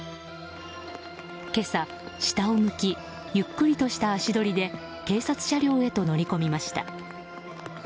今朝、下を向きゆっくりとした足取りで警察車両へと乗り込みました。